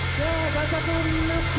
ガチャピンムック